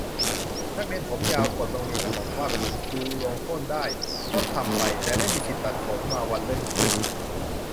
นักเรียนผมยาว กฎโรงเรียนกำหนดว่าผิด ครูลงโทษได้ ก็ทำไป แต่ไม่มีสิทธิตัดผม มาวันรุ่งขึ้น